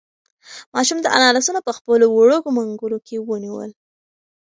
ماشوم د انا لاسونه په خپلو وړوکو منگولو کې ونیول.